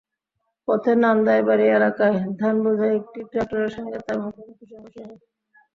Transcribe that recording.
পথে নান্দায়বাড়ি এলাকায় ধানবোঝাই একটি ট্রাক্টরের সঙ্গে তাঁর মুখোমুখি সংঘর্ষ হয়।